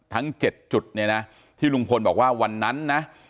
ทั้ง๗จุดเนี่ยนะที่ลุงพลบอกว่าวันนั้นนะ